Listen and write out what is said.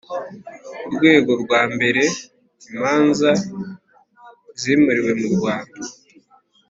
ku rwego rwa mbere imanza zimuriwe mu Rwanda